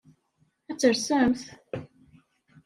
Ad tersemt?